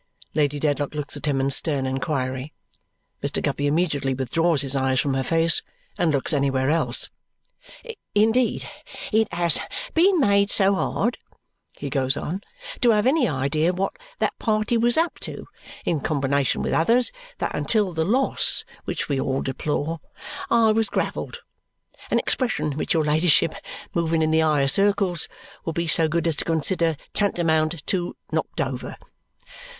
Lady Dedlock looks at him in stern inquiry. Mr. Guppy immediately withdraws his eyes from her face and looks anywhere else. "Indeed, it has been made so hard," he goes on, "to have any idea what that party was up to in combination with others that until the loss which we all deplore I was gravelled an expression which your ladyship, moving in the higher circles, will be so good as to consider tantamount to knocked over.